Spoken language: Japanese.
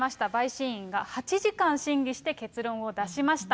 陪審員が８時間審議して結論を出しました。